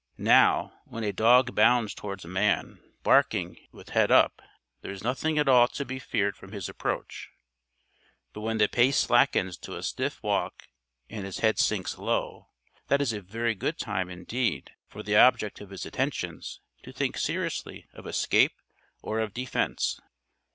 Now, when a dog bounds toward a man, barking and with head up, there is nothing at all to be feared from his approach. But when the pace slackens to a stiff walk and his head sinks low, that is a very good time, indeed, for the object of his attentions to think seriously of escape or of defense.